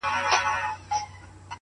نن داخبره درلېږمه تاته ـ